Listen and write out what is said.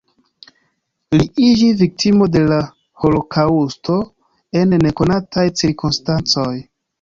Li iĝi viktimo de la holokaŭsto en nekonataj cirkonstancoj.